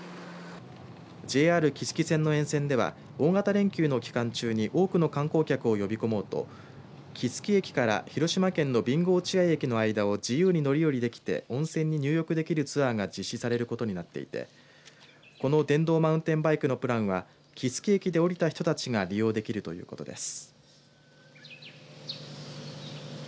ＪＲ木次線の沿線では大型連休の期間中に多くの観光客を呼び込もうと木次駅から広島県の備後落合駅の間を自由に乗り降りできて温泉に入浴できるツアーが実施されることになっていてこの電動マウンテンバイクのプランは木次駅で降りた人たちが利用できるということです。